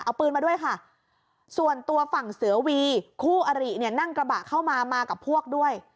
เอาปืนมาด้วยค่ะส่วนตัวฝั่งเสือวีคู่อริเนี่ยนั่งกระบะเข้ามามากับพวกด้วย